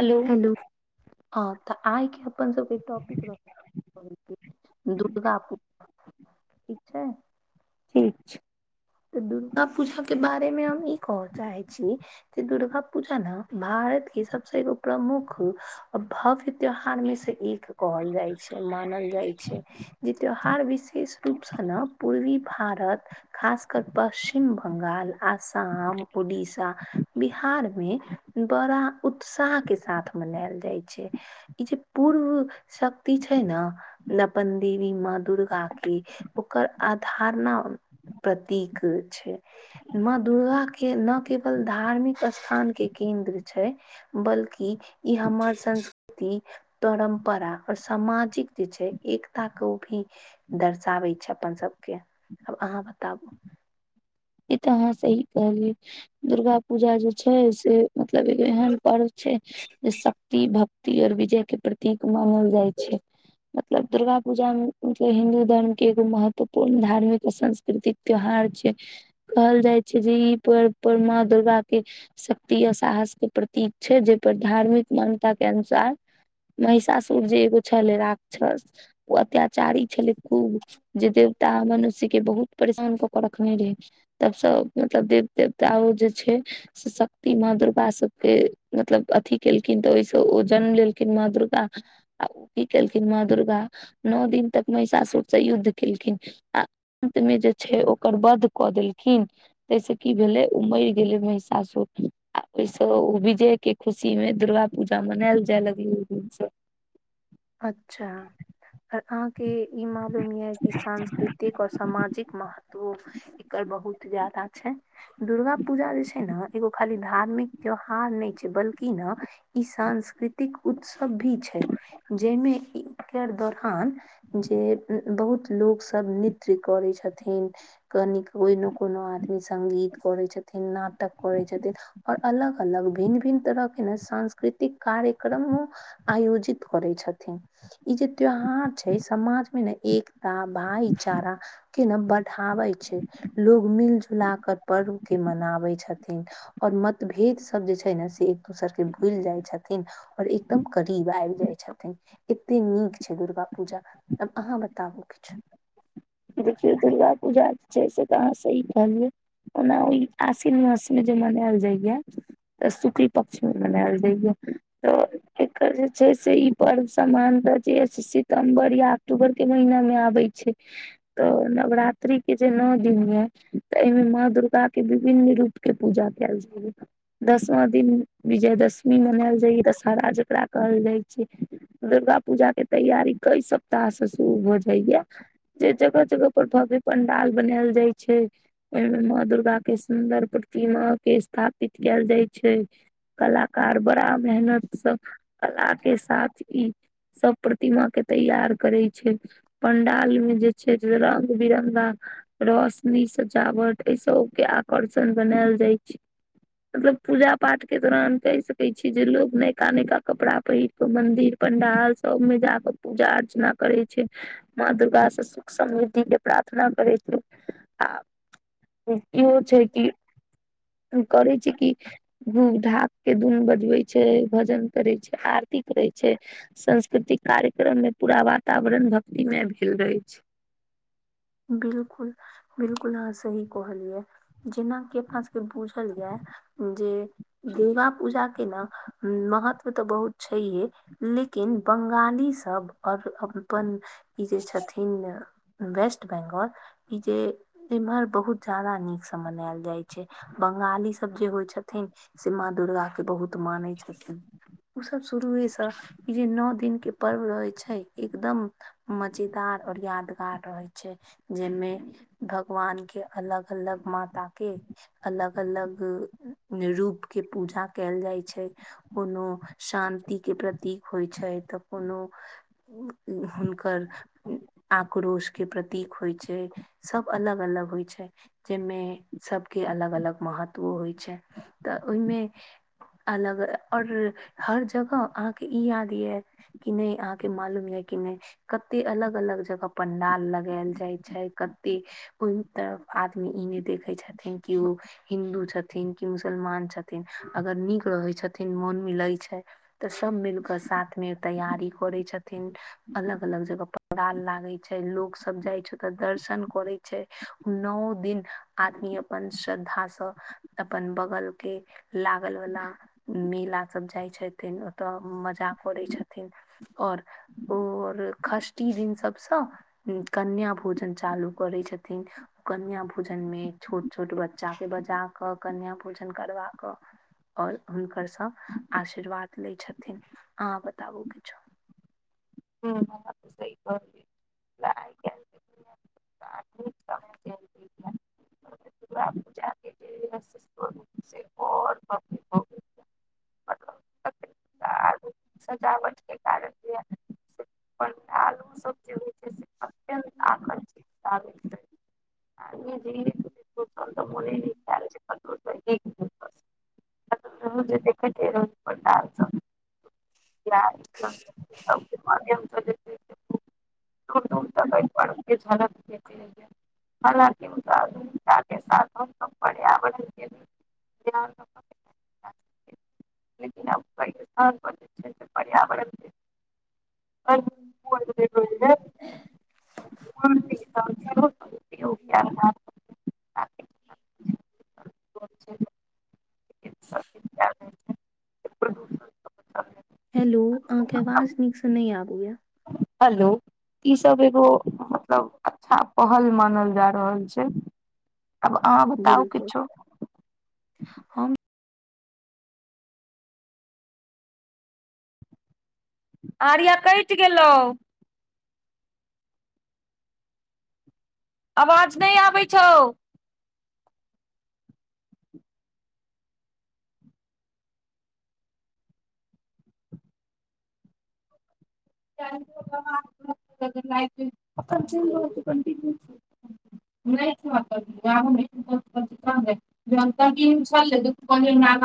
Hello हँ तऽ आइके अपन सबके टॉपिक दुर्ग दुर्गा पूजा ठीक छैय। ठीक छैय। तऽ दुर्गा पूजा के बारे मे हम ई कहय चाहे छी जे दुर्गा पूजा ने भारत के सबस एगो प्रमुख भव्य त्यौहार मे से एक कहल जाइ छैय मानल जाइ छैय जे त्यो विशेष रूप से ने पूर्वी भारत खास। पश्चिम बंगाल आसाम उड़ीसा बिहार मे बड़ा उत्साह के साथ मनायल जाइ छै ई जे पूर्व शक्ति छै ने वन देवी माँ दुर्गा के ओकर अधारना प्रति। प्रीक छै म दुर्गा के न केवल धार्मिक स्थान के केन्द्र छै बल्कि ई हमर संस्कृति परम्परा आओर सामाजिक जे छै एकता के ओ भी दर्शाबै छै अपन सबके आब अहाँ बताबु। ई तऽ अहाँ सही कहलियै दुर्गा पूजा जे छै से मतलब एगो एहन पर्व छै जे शक्ति भक्ति आओर विजयके प्रतीक मानल जाइ छै मतलब दुर्गा पूजामे मतलब हिन्दू धर्म के एगो महत्वपूर्ण धार्मिक आ सांस्कृतिक त्योहार छै। कहल जाइ छै जे ई पर्व पर माँ दुर्गाक के शक्ति आ साहस के प्रतीक छै जाहि पर धार्मिक मान्यता के अनुसार महिषासुर जे एगो छलै राक्षस ओ अत्याचारी छलै खूब जे देवता मनुष्य के बहुत परेशान कऽ के रखने रहे। तबसँ मतलब देव देवता ओ जे छै से शक्ति माँ दुर्गा सबके मतलब अथि केलखिन तऽ ओहिसँ ओ जन्म लेलखिन माँ दुर्गा आ ओ की केलखिन माँ दुर्गा नओ दिन तक महिषासुरसँ युद्ध केलखिन आ अन्त मे जे छै ओकर वध कऽ देलखिन। हूँ तैसे की भेलै ओ मरि गेलै महिषासुर आ ओहिसँ ओ विजय के खुशी मे दुर्गा पूजा मनायल जाय लगलै ओहि दिनसँ। अच्छा अ अहाके इ मालूम य कि सांस्कृतिक और सामाजिक महत्वो एकर बहुत ज्यादा छै, दुर्गा पूजा जे छै ने एगो खाली धार्मिक त्यौहार नहि छै, बल्कि ने ई सांस्कृतिक उत्सव भी छै। जाहिमे इ एकर दौरान जे उम्म बहुत लोक सब नृत्य करे छथिन, कनि कोनो- कोनो आदमी संगीत करे छथिन, ना। टक करे छथिन आओर। अलग अलग भिन्न- भिन्न तरह के नहि सांस्कृतिक कार्यक्रमो आयोजित करे छथिन, इ जे त्योहार छै समाज मे ने एकता भाईचारा के ने बढ़ाबे छै, लोग मिल जुला कर पर्व के मनावे छथिन और मतभेद सब जे छै ने से एक दोसर के भूलि जाय छथिन और एकदम करीब आबि जाय छथिन, एते नीक छै दुर्गा पूजा अब अहाँ बताबू किछु। देखियौ दुर्गा पूजा जे छै से तऽ अहाँ सही कहलियै ओना ओहि आश्विन मासमे जे मनायल जाइया तऽ शुक्ल पक्षमे मनायल जाइया तऽ एकर जे छै से ई पर्व सामान्यतः जे सितम्बर या अक्टूबरके महीनामे आबै छै। तऽ नवरात्रिक के जे नओ दिन या तऽ एहिमे माँ दुर्गाक के विभिन्न रूप के पूजा कायल जाइया, दसमा दिन विजय दशमी मनायल जाइया दशहरा जेकरा कहल जाइ छै, दुर्गा पूजा के तैयारी कई सप्ताह से शुरू भऽ जाइया जे जगह जगह पर भव्य पंडाल बनायल जाय छै, ओहि मे माँ दुर्गा के सुन्दर प्रतिमा के स्थापित कायल जाय छै, कलाकार बड़ा मेहनत स कला के साथ इ सभ प्रतिमा के तैयार करे छै, पंडाल में जे छै जे रंग बिरंगा रोशनी सजावट एहि सबके आकर्षण बनायल जाय छै, मतलब पूजा पाठ के दौरान कहि सके छी जे लोग नयका -नयका कपड़ा पहिर क मंदिर पंडाल सब में जाके पूजा अर्चना करे छै माँ दुर्गा से सु। समृद्धि के प्रार्थना करै छै आ इ इहो छै की इ करे छै कि [unintelligible] ढाक के दुनु बजबै छै, भजन करे छै, आरती करे छै, संस्कृतिक कार्यक्रम मे पूरा वातावरण भक्तिमय भेल रहे छै। बिलकुल -बिलकुल ह सही कहलिये। जेना की अपना सबके बुझल या जे दुर्गा पूजा के ने महत्व तऽ बहुत छैये, लेकिन बंगाली सब आओर अपन ई जेे छथिन ने वेस्ट ट बेंगोल ई जे इमहर बहुत जादा नीकसँ मनायल जाइ छै, बंगाली सब जे होइ छथिन से माँ दुर्गा के बहुत मानै छथिन ओ सब शुरुएसँ ई जे नओ दिन के पर्व रहे छै, एकदम मजेदार और यादगार रहे छै, जहिमे भगवान के अलग -अलग, माता के अलग अलग रूप के पूजा कायल जाइ छै, कोनो शान्ति के प्रतीक होइ छै, तऽ कोनो हुनकर आक्रोश के प्रतीक होइ छै, सब अलग अलग होइ छै जाहिमे सबके अलग अलग महत्व होइ छै, तऽ ओहिमे अलग और हर जगह अहाके ई याद या कि नहि अहाके मालूम या कि नहि कते अलग -अलग जगह पंडाल लगायल जाय छै कते कोहि तरफ आदमी ई ने देखे छथिन की ओ हिन्दू छथिन की मुसलमान छथिन, अगर नीक रहै छथिन, मोन मिलै छै तऽ सब मिल क साथ मे तैयारी करे छथिन, अलग अलग जगह पंडाल लागे छै लोक सब जाइ छै ओता दर्शन करै छै, नओ दिन आदमी अपन श्रद्धासँ, अपन बगल के लागल वाला मेला सब जाइ छथिन, ओता मजा करै छथिन और और खष्ठी दिन सबसँ कन्या भोजन चालू करै छथिन, कन्या भोजन मे छोट छोट बच्चा के बजा कऽ कन्या भोजन करबा कऽ आओर हुनकरसँ आशीर्वाद लै छथिन, अहां बताबू किछु। [unintelligible] मतलब तकरीबन सजावट के कारण [unintelligible] आलू सब जे होइ छै से अत्यंत ह। आकर्षित लागैत रहै जे सोचल तऽ मोने नहि ख्याल छै कतौ से एक दिवस कतौ जे देखैत रह पंडाल सब या [unintelligible] [unintelligible] माध्यम से जे छै से दूर दूर तक एहि [unintelligible] पर्व के झलक देखेले एलिये [unintelligible] आधुनिकता के साथ हम सभ पर्यावरण के ध्यान रखना चाहिए, लेकिन अब कई स्थान पर जे छै से पर्यावरण के अनुकूल जे होय छै पूर्ण विकास सेहो उपयोग कैल जा सकै छै, लेकिन सब कैल [unintelligible] जाय छै प्रदूषण हेलो अहाके आवाज मतलब नीकसँ नहि आबै या। हेलो ई सब एगो मतलब अच्छा पहल मानल जा रहल छै। अब अहाँ बताउ बिलकुल किछो। हम आर्या कैट गेलौ। आवाज नै आबै छौ। उ घर के लाइट उट ओकर जएल रहल छै कंटिन्यू छो, नै छो अपन गांव मे ऊपर तुपर से [unintelligible] आगा